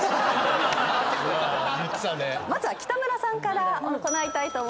まずは北村さんから行いたいと思います。